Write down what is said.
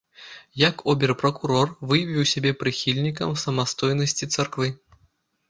Як обер-пракурор, выявіў сябе прыхільнікам самастойнасці царквы.